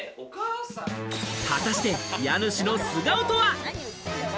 果たして家主の素顔とは？